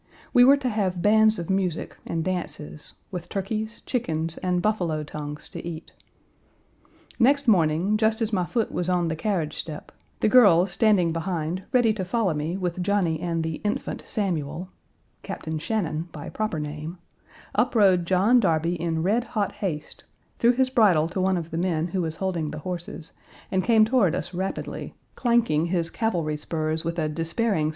We were to have bands of music and dances, with turkeys, chickens, and buffalo tongues to eat. Next morning, just as my foot was on the carriage step, the girls standing behind ready to follow me with Johnny and the Infant Samuel (Captain Shannon by proper name), up rode John Darby in red hot haste, threw his bridle to one of the men who was holding the horses, and came toward us rapidly, clanking his cavalry spurs with a despairing sound as he 1.